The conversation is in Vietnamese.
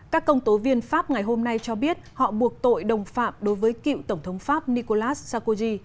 các công tố viên pháp ngày hôm nay cho biết họ buộc tội đồng phạm đối với cựu tổng thống pháp nicolas sakoji